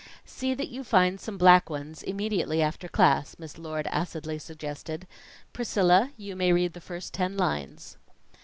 "See that you find some black ones immediately after class," Miss Lord acidly suggested. "Priscilla, you may read the first ten lines."